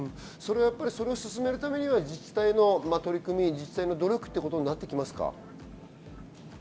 それを進めるためには自治体の取り組み、努力となってきますか？